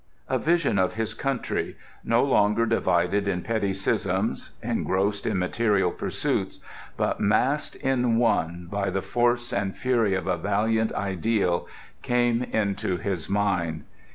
A vision of his country, no longer divided in petty schisms, engrossed in material pursuits, but massed in one by the force and fury of a valiant ideal, came into his mind.